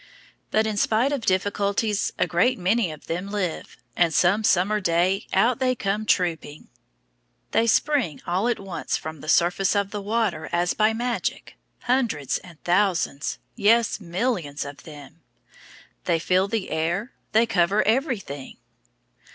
But in spite of difficulties a great many of them live, and some summer day out they come trooping. They spring all at once from the surface of the water as by magic, hundreds and thousands, yes, millions of them. They fill the air, they cover everything.